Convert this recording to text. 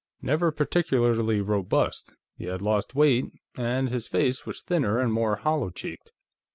Never particularly robust, he had lost weight, and his face was thinner and more hollow cheeked.